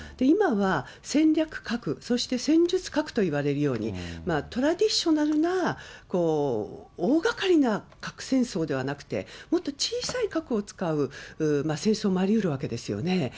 今は、戦略核、そして戦術核といわれるように、トラディショナルな大がかりな核戦争ではなくて、もっと小さい核を使う戦争もありうるわけですよね。